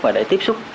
và để tiếp xúc